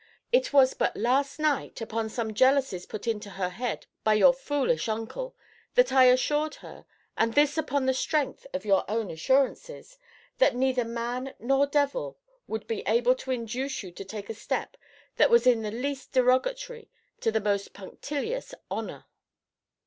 It was but last night (upon some jealousies put into her head by your foolish uncle) that I assured her, and this upon the strength of your own assurances, that neither man nor devil would be able to induce you to take a step that was in the least derogatory to the most punctilious honour.